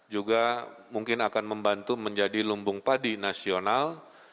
juga mungkin akan membantu menjadi lumbung padi nasional